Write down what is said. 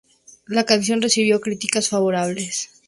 La canción recibió críticas favorables.